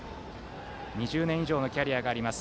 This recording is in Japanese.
２０年以上のキャリアがあります。